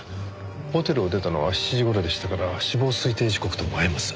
ホテルを出たのは７時頃でしたから死亡推定時刻とも合います。